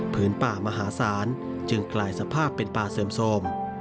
ป่ามหาศาลจึงกลายสภาพเป็นป่าเสื่อมโทรม